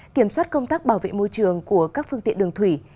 kiểm soát công tác bảo vệ môi trường của các phương tiện đường thủy